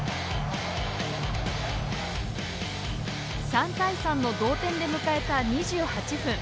３対３の同点で迎えた２８分。